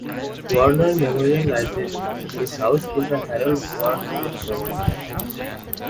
Warner Memorial Library is housed in the Harold Howard Center.